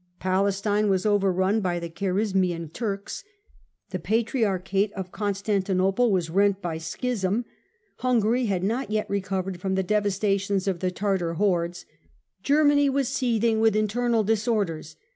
Palestine was over run by the Kharizmian Turks ; the Patriarchate of Constantinople was rent by schism; Hungary had not yet recovered from the devastations of the Tartar hordes ; Germany was seething with internal disorders.